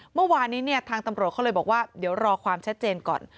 เมื่อวานนี้เนี่ยทางตำรวจเขาเลยบอกว่าเดี๋ยวรอความชัดเจนก่อน